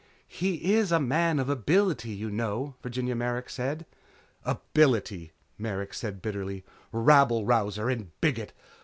"He is a man of ability, you know," Virginia Merrick said. "Ability," Merrick said bitterly. "Rabble rouser and bigot!